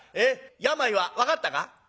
病は分かったか？」。